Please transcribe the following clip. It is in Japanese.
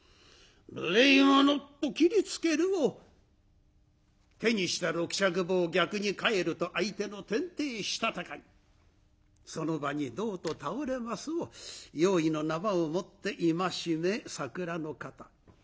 「無礼者！」と斬りつけるも手にした六尺棒を逆に返ると相手の天庭したたかにその場にどうと倒れますを用意の縄を持っていましめ桜の方。